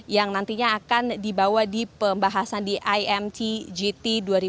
yang nantinya akan dibawa di pembahasan di imt gt dua ribu dua puluh tiga